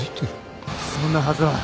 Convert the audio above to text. そんなはずは。